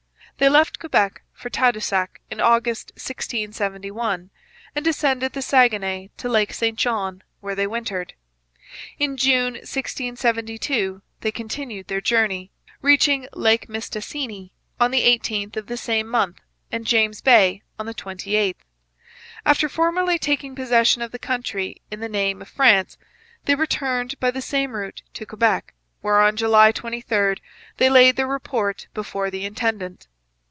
They left Quebec for Tadoussac in August 1671, and ascended the Saguenay to Lake St John where they wintered. In June 1672 they continued their journey, reaching Lake Mistassini on the 18th of the same month and James Bay on the 28th. After formally taking possession of the country in the name of France, they returned by the same route to Quebec, where on July 23 they laid their report before the intendant.